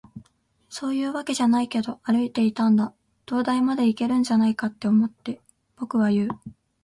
「そういうわけじゃないけど、歩いていたんだ。灯台までいけるんじゃないかって思って。」、僕は言う。